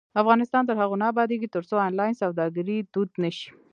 افغانستان تر هغو نه ابادیږي، ترڅو آنلاین سوداګري دود نشي.